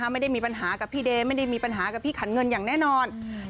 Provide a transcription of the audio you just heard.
ไม่ได้มีปัญหากับพี่เดย์ไม่ได้มีปัญหากับพี่ขันเงินอย่างแน่นอน